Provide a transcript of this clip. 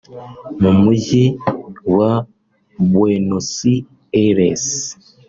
mu mujyi wa Buenos Aires